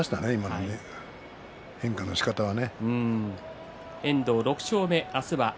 変化のしかたをね。